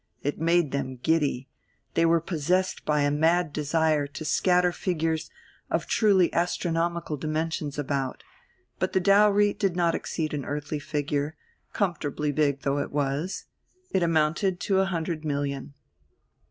It made them giddy; they were possessed by a mad desire to scatter figures of truly astronomical dimensions about. But the dowry did not exceed an earthly figure, comfortably big though it was. It amounted to a hundred million.